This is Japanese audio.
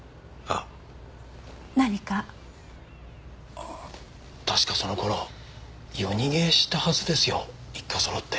ああ確かその頃夜逃げしたはずですよ一家揃って。